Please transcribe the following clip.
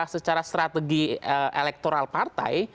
secara strategi elektoral partai